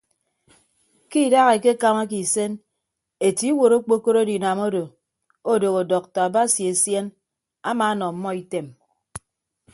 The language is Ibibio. Ke idaha ekekamake isen etie iwuot okpokoro edinam odo odooho dọkta basi esien amaanọ ọmmọ item.